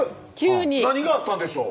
何があったんでしょう？